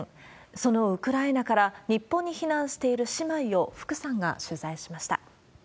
そのウクライナから日本に避難している姉妹を、福さんが取材しました。